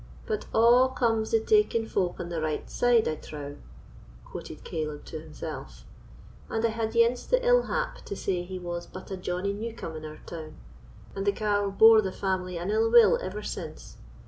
"But a' comes o' taking folk on the right side, I trow," quoted Caleb to himself; "and I had ance the ill hap to say he was but a Johnny New come in our town, and the carle bore the family an ill will ever since.